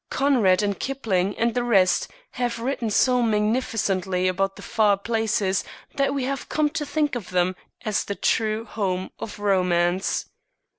Conrad and Kipling and the rest have written so magnificently about the far places that we have come to think of them as the true home of romance.